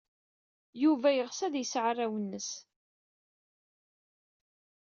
Yuba yeɣs ad yesɛu arraw-nnes.